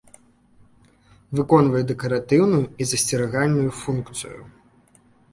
Выконвае дэкаратыўную і засцерагальную функцыі.